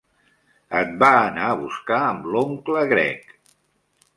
Et va anar a buscar amb l'oncle Greg.